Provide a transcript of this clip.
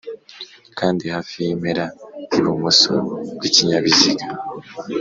kandi hafi y'impera y'ibumoso bw'ikinyabiziga.